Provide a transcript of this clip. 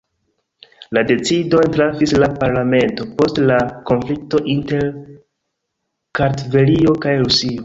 La decidon trafis la parlamento post la konflikto inter Kartvelio kaj Rusio.